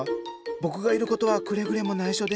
僕がいることはくれぐれもないしょで。